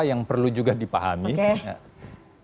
yang perlu juga dipahami